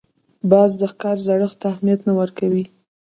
باز د ښکار زړښت ته اهمیت نه ورکوي